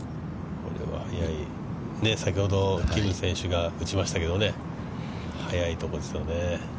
これは、先ほどキム選手が打ちましたけど、速いところですよね。